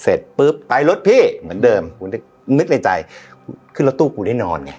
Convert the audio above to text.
เสร็จปุ๊บไปรถพี่เหมือนเดิมกูได้นึกในใจขึ้นรถตู้กูได้นอนไง